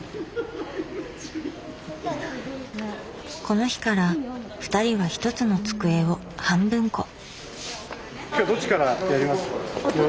この日からふたりはひとつの机を半分こ。